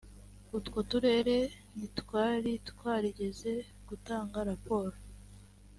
utwo turere ntitwari twarigeze gutanga raporo